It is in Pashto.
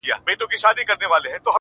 د زړو غمونو یاري، انډيوالي د دردونو,